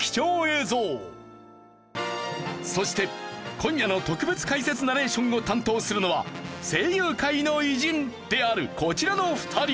そして今夜の特別解説ナレーションを担当するのは声優界の偉人であるこちらの２人。